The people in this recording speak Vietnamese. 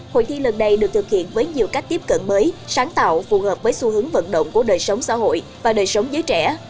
hội thi lần này được thực hiện với nhiều cách tiếp cận mới sáng tạo phù hợp với xu hướng vận động của đời sống xã hội và đời sống giới trẻ